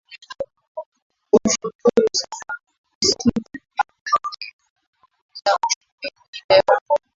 ushukuru sana kwa kuskiza makala ya gurudumu la uchumi hii leo